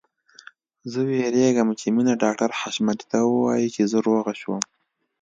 زه وېرېږم چې مينه ډاکټر حشمتي ته ووايي چې زه روغه شوم